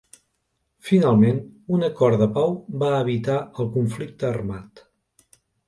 Finalment un acord de pau va evitar el conflicte armat.